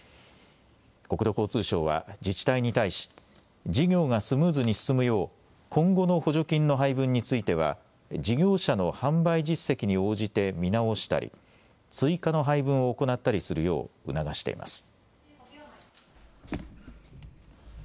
国土交通省は自治体に対し事業がスムーズに進むよう今後の補助金の配分については事業者の販売実績に応じて見直したり追加の配分を行ったりするよう促してます。